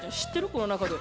この中で。